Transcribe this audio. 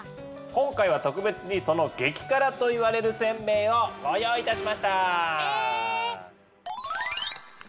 今回は特別にその激辛といわれる煎餅をご用意いたしました。